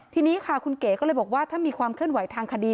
ทีนี้ค่ะคุณเก๋ก็เลยบอกว่าถ้ามีความเคลื่อนไหวทางคดี